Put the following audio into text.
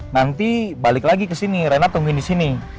nanti balik lagi ke sini renat tungguin di sini